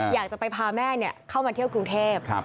อยากจะไปพาแม่เข้ามาเที่ยวกรุงเทพ